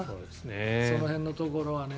その辺のところはね。